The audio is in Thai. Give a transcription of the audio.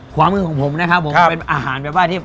ขวามือของผมนะครับผมเป็นอาหารแบบว่าที่